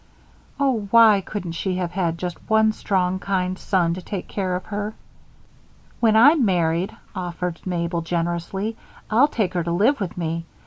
Oh, why couldn't she have had just one strong, kind son to take care of her?" "When I'm married," offered Mabel, generously, "I'll take her to live with me.